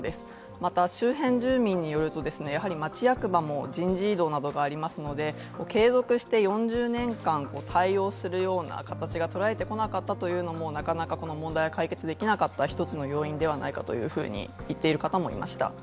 また周辺住民によると町役場も人事異動などがありますので継続して４０年間対応するような形がとられてこなかったというのもなかなかこの問題が解決できなかった一つの要因ではないかと言っている人もいました。